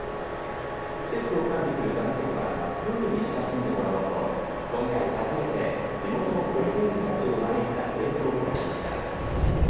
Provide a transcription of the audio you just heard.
施設を管理する佐賀県はプールに親しんでもらおうと今回初めて地元の保育園児たちを招いたイベントを開きました。